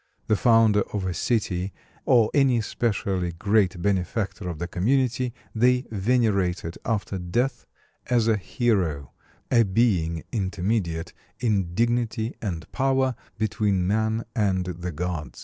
The founder of a city or any specially great benefactor of the community they venerated after death as a hero, a being intermediate in dignity and power between man and the gods.